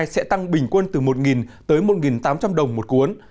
sẽ tăng bình quân từ một tới một tám trăm linh đồng một cuốn